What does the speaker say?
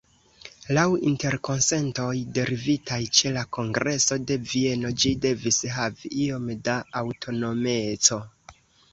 Laŭ interkonsentoj derivitaj ĉe la Kongreso de Vieno ĝi devis havi iom da aŭtonomeco.